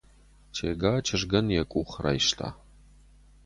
Тега чызгӕн йӕ къух райста.